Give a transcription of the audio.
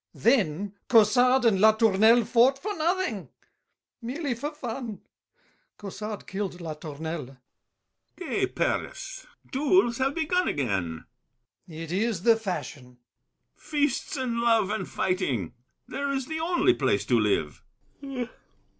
Then Caussade and Latournelle fought for nothing— Merely for fun: Caussade killed Latournelle. BRICHANTEAU. Gay Paris! Duels have begun again. GASSÉ. It is the fashion! BRICHANTEAU. Feasts and love and fighting! There is the only place to live!